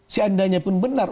seandainya pun benar